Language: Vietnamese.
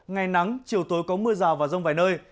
ngày nắng chiều tối có mưa rào và rông vài nơi